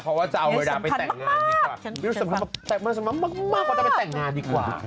เพราะว่าจะเอาอนาคตไปแต่งงานดีกว่า